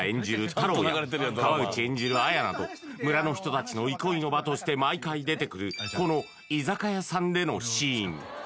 太郎や川口演じる彩など村の人達の憩いの場として毎回出てくるこの居酒屋さんでのシーン